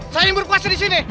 saya yang berkuasa disini